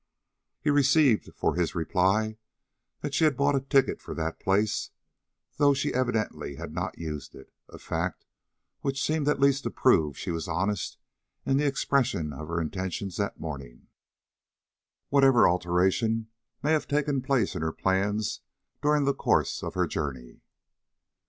He received for his reply that she had bought a ticket for that place, though she evidently had not used it, a fact which seemed at least to prove she was honest in the expression of her intentions that morning, whatever alteration may have taken place in her plans during the course of her journey.